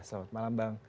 selamat malam bang